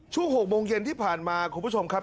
ช่วง๖โมงเย็นที่ผ่านมาคุณผู้ชมครับ